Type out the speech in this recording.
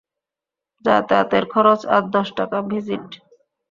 যাতায়াতের খরচ আর দশ টাকা ভিজিট।